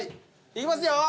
いきますよ。